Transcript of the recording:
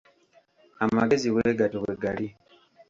Amagezi bwe gatyo bwe gali.